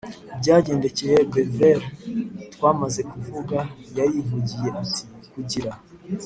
Byagendekeye beverly twamaze kuvuga yarivugiye ati kugira